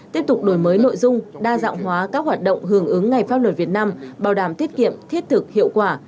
tiếp tục đổi mới nội dung đa dạng hóa các hoạt động hưởng ứng ngày pháp luật việt nam bảo đảm tiết kiệm thiết thực hiệu quả